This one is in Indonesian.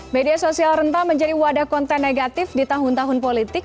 media sosial rentan menjadi wadah konten negatif di tahun tahun politik